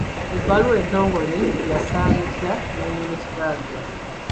Ebbaluwa entongole egasa etya nnannyini kibanja?